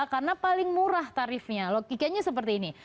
karena murah tarifnya logikanya seperti ini